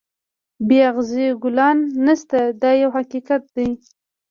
بې اغزیو ګلان نشته دا یو حقیقت دی.